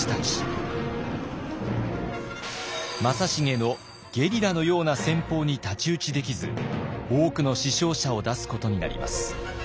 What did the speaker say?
正成のゲリラのような戦法に太刀打ちできず多くの死傷者を出すことになります。